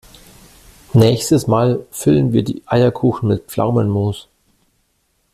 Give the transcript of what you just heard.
Nächstes Mal füllen wir die Eierkuchen mit Pflaumenmus.